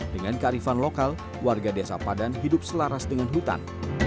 dengan kearifan lokal warga desa padan hidup selaras dengan hutan